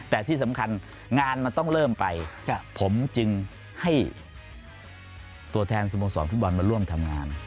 แต่ที่สำคัญงานมันต้องเริ่มไปผมจึงให้ตัวแทนสโมสรฟุตบอลมาร่วมทำงาน